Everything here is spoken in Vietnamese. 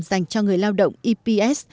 dành cho người lao động eps